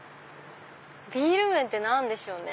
ビール麺って何でしょうね。